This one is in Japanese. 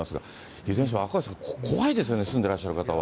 いずれにしても赤星さん、怖いですよね、住んでらっしゃる方は。